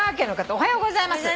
「おはようございます」